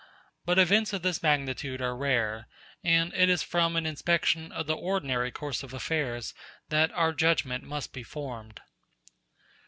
But events of this magnitude are rare, and it is from an inspection of the ordinary course of affairs that our judgment must be formed.